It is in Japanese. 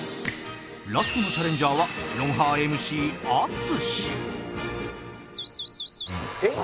ラストのチャレンジャーは『ロンハー』ＭＣ 淳ええーっ！？